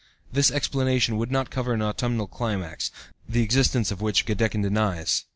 This explanation would not cover an autumnal climax, the existence of which Gaedeken denies.